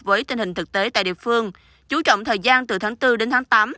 với tình hình thực tế tại địa phương chú trọng thời gian từ tháng bốn đến tháng tám